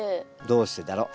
どうしてだろ？